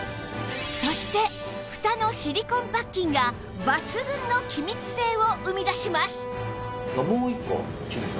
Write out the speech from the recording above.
そしてふたのシリコンパッキンが抜群の機密性を生み出します